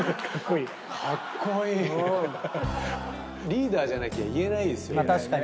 リーダーじゃなきゃ言えないですよね。